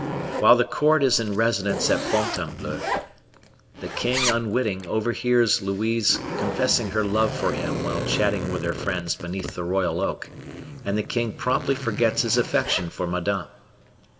While the court is in residence at Fontainebleau, the king unwitting overhears Louise confessing her love for him while chatting with her friends beneath the royal oak, and the king promptly forgets his affection for Madame.